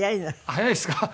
早いですか？